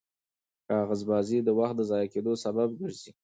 کاغذبازي د وخت د ضایع کېدو سبب ګرځي.